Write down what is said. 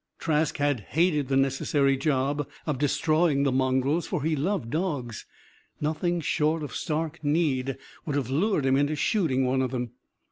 Trask had hated the necessary job of destroying the mongrels. For he loved dogs. Nothing short of stark need would have lured him into shooting one of them.